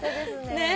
ねえ。